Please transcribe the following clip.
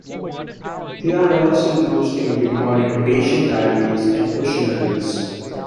They are also used in recording patient diaries and questionnaires.